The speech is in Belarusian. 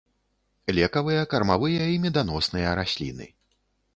Лекавыя, кармавыя і меданосныя расліны.